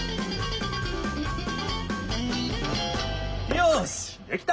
よしできた！